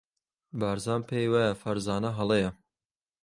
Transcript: بارزان پێی وایە فەرزانە هەڵەیە.